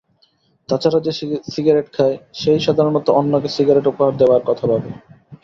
তাছাড়া যে সিগারেট খায়, সে-ই সাধারণত অন্যকে সিগারেট উপহার দেবার কথা ভাবে।